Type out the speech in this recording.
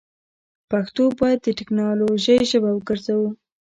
پښتو باید دټیکنالوژۍ ژبه وګرځوو.